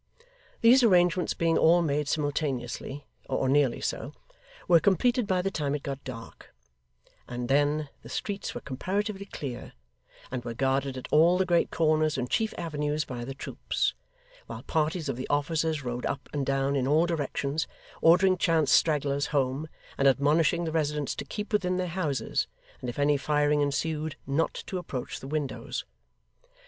These arrangements being all made simultaneously, or nearly so, were completed by the time it got dark; and then the streets were comparatively clear, and were guarded at all the great corners and chief avenues by the troops: while parties of the officers rode up and down in all directions, ordering chance stragglers home, and admonishing the residents to keep within their houses, and, if any firing ensued, not to approach the windows.